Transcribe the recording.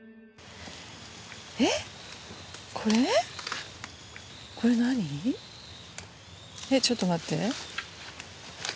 えっちょっと待って。